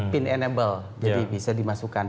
pin enable jadi bisa dimasukkan